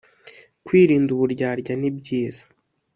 Kwirinda uburyarya nibyiza